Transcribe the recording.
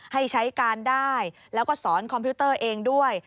ให้ใช้การได้แล้วก็สอนคอมพิวเตอร์เองด้วย